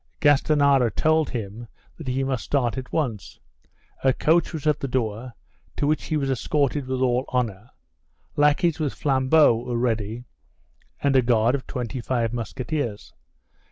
Gastanara told him that he must start at once; a coach was at the door to which he was escorted with all honor; lackeys with flambeaux were ready and a guard of twenty five musketeers.